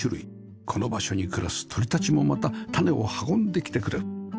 この場所に暮らす鳥たちもまた種を運んできてくれる